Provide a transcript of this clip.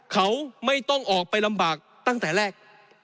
เขาไม่ต้องออกไปลำบากตั้งแต่แรก